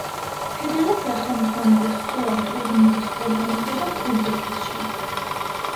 ფედერაცია ხელმძღვანელობს ყველა ტურნირის ორგანიზებას უზბეკეთში.